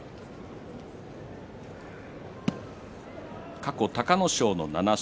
過去、隆の勝の７勝。